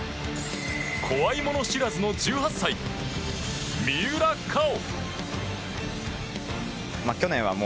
怖いもの知らずの１８歳、三浦佳生。